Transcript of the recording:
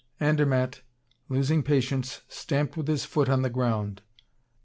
Andermatt, losing patience, stamped with his foot on the ground.